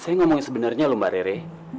saya ngomong sebenarnya lho mbak rere